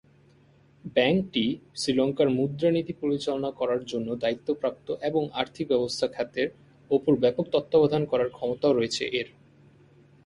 ব্যাংকটি শ্রীলঙ্কার মুদ্রানীতি পরিচালনা করার জন্য দায়িত্বপ্রাপ্ত এবং আর্থিক ব্যবস্থা খাতের উপর ব্যাপক তত্ত্বাবধান করার ক্ষমতাও রয়েছে এর।